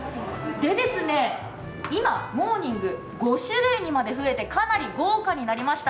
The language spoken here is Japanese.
で、今、モーニング５種類まで増えてかなり豪華になりました。